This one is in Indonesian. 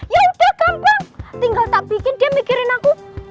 ya udah kampung tinggal tak bikin dia mikirin aku